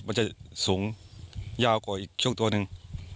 มันจะสูงยาวกว่าอีกช่วงตัวหนึ่ง